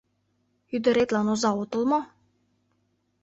— Ӱдыретлан оза отыл мо?